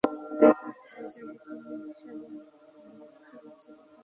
বেদ অধ্যয়নের জন্য তিনি সারা ভারত পর্যটন করেন এবং একাধিক দার্শনিক বিতর্কসভায় অংশগ্রহণ করেন।